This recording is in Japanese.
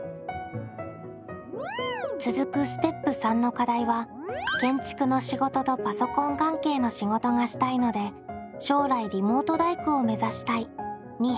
続くステップ③の課題は「建築の仕事とパソコン関係の仕事がしたいので将来リモート大工を目指したい」に変更。